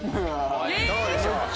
どうでしょう？